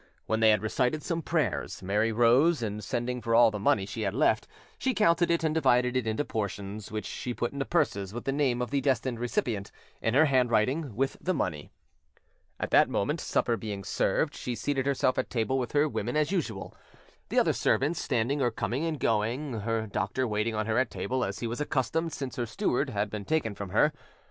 When they had recited some prayers, Mary rose, and sending for all the money she had left, she counted it and divided it into portions, which she put into purses with the name of the destined recipient, in her handwriting, with the money. At that moment, supper being served, she seated herself at table with her women as usual, the other servants standing or coming and going, her doctor waiting on her at table as he was accustomed since her steward had been taken from her.